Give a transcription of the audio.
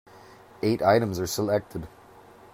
Eight items are selected.